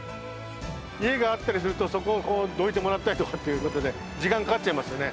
家があったりするとそこをどいてもらったりとかっていう事で時間がかかっちゃいますよね。